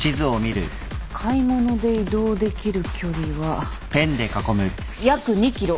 買い物で移動できる距離は約２ｋｍ。